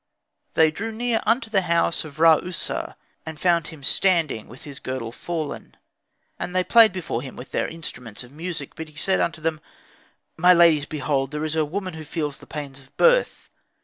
They drew near unto the house of Ra user, and found him standing, with his girdle fallen. And they played before him with their instruments of music. But he said unto them, "My ladies, behold, here is a woman who feels the pains of birth."